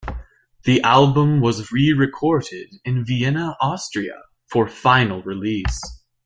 The album was re-recorded in Vienna, Austria for final release.